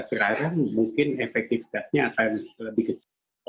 sekarang mungkin efektivitasnya akan lebih kecil